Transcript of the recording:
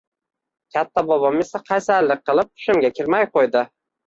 katta bobom esa qaysarlik qilib tushimga kirmay qo’ydi